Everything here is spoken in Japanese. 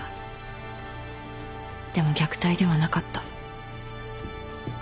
でも虐待ではなかった。